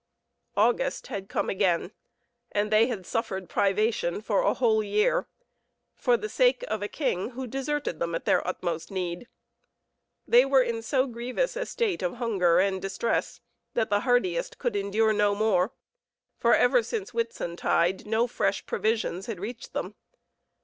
August had come again, and they had suffered privation for a whole year for the sake of the king who deserted them at their utmost need. They were in so grievous a state of hunger and distress that the hardiest could endure no more, for ever since Whitsuntide no fresh provisions had reached them.